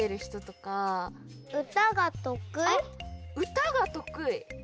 あっ「うたがとくい」。